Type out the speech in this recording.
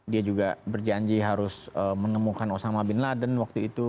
dia juga berjanji harus menemukan osama bin laden waktu itu